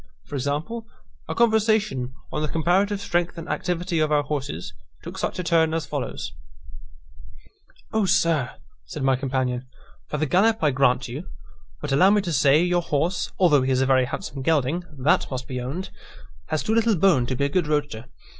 For example, a conversation on the comparative strength and activity of our horses, took such a turn as follows: "O sir," said my companion, "for the gallop I grant you; but allow me to say, your horse (although he is a very handsome gelding that must be owned,) has too little bone to be a good roadster.